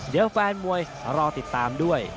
เดี๋ยวแฟนมวยรอติดตามด้วย